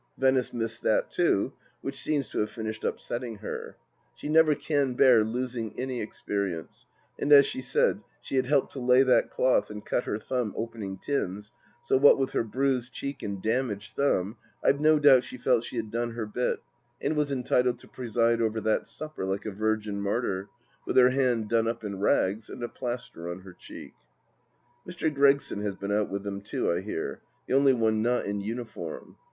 Venice missed that too, which seems to have finished up setting her. She never can bear losing any experience ; and, as she said, she had helped to lay that cloth and cut her thumb opening tins, so what with her bruised cheek and damaged thumb I've no doubt she felt she had done her bit and was entitled to preside over that supper like a virgin martyr, with her hand done up in rags and a plaster on her cheek. ... Mr. Gregson has been out with them too, I hear : the only one not in uniform.